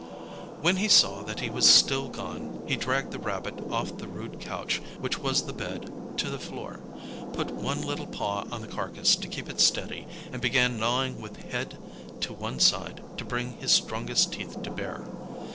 When he saw that he was still gone, he dragged the rabbit off the rude couch which was the bed to the floor, put one little paw on the carcass to keep it steady, and began gnawing with head to one side to bring his strongest teeth to bear.